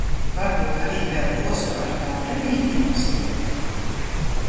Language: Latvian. Varbūt arī vēl jostu ar taurenīti uzlikt?